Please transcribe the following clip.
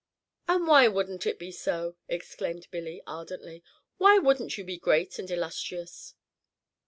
"And why would n't it be so?" exclaimed Billy, ardently, "why would n't you be great and illustrious?"